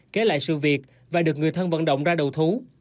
kể lại sự việc và được người thân vận động ra đầu thú